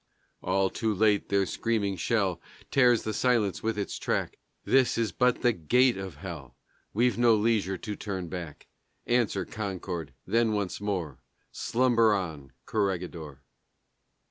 All too late their screaming shell Tears the silence with its track; This is but the gate of hell, We've no leisure to turn back. Answer, Concord! then once more Slumber on, Corregidor!